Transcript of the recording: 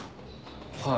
はい。